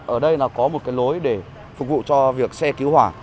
ở đây là có một cái lối để phục vụ cho việc xe cứu hỏa